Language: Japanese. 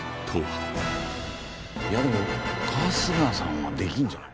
いやでも春日さんはできるんじゃない？